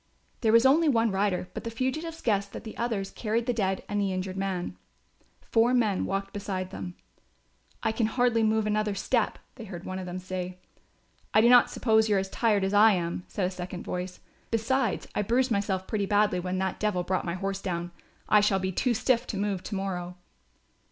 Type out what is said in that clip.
There was only one rider, but the fugitives guessed that the others carried the dead and the injured man. Four men walked beside them. "I can hardly move another step," they heard one of them say. "I do not suppose you are as tired as I am," said a second voice, "besides I bruised myself pretty badly when that devil brought my horse down. I shall be too stiff to move to morrow."